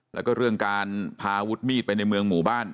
แล้วก็เรื่องการพาวุฒิมีดไปในเมืองหมู่บ้าน